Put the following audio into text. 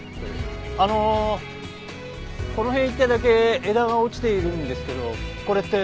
あのこの辺一帯だけ枝が落ちているんですけどこれって？